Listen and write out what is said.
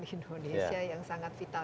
indonesia yang sangat vital